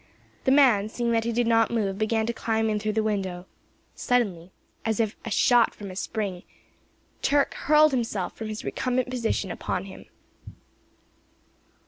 The man, seeing that he did not move, began to climb in through the window. Suddenly, as if shot from a spring, Turk hurled himself from his recumbent position upon him.